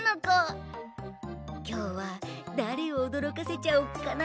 きょうはだれをおどろかせちゃおっかな。